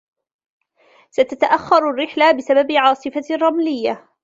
ستتأخر الرحلة بسبب عاصفة رملية.